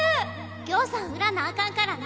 ぎょうさん売らなあかんからな。